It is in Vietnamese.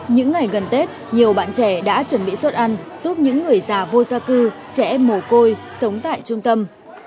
những ngày gần tết nhiều bạn trẻ đã chuẩn bị suất ăn giúp những người già vô gia cư trẻ mồ côi sống tại trung tâm